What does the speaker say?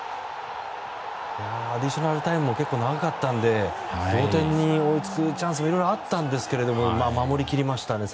アディショナルタイムも結構、長かったので同点に追いつくチャンスもあったんですけどまあ、守り切りましたね